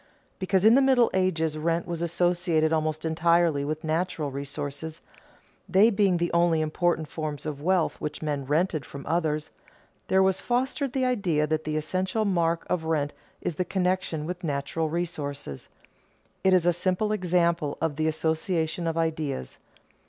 Because in the Middle Ages rent was associated almost entirely with natural resources, they being the only important forms of wealth which men rented from others, there was fostered the idea that the essential mark of rent is the connection with natural resources. It is a simple example of the association of ideas.